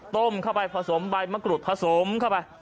ต้มเข้าไปผสมใบมะกรูดผสมเข้าไป